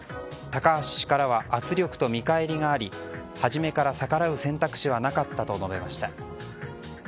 高橋氏からは圧力と見返りがあり初めから逆らう選択肢はなかったと述べました。